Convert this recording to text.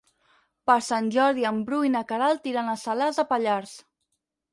Per Sant Jordi en Bru i na Queralt iran a Salàs de Pallars.